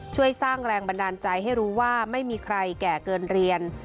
ช่วยสร้างแรงบันดาลใจให้รู้ว่าไม่มีใครแก่เกินเรียน